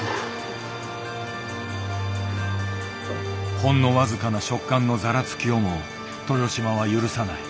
ほんの僅かな食感のざらつきをも豊島は許さない。